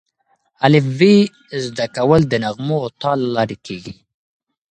الفبې زده کول د نغمو او تال له لارې کېږي.